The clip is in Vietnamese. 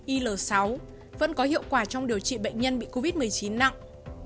il sáu vẫn có hiệu quả trong điều trị bệnh nhân bị covid một mươi chín nặng